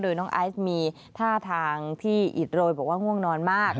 โดยน้องไอซ์มีท่าทางที่อิดโรยบอกว่าง่วงนอนมาก